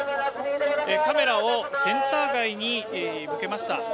カメラをセンター街に向けました。